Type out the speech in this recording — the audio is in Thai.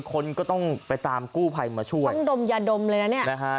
คนก็ต้องไปตามกู้ไพ่มาช่วยนะคะ